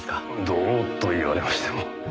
どうと言われましても。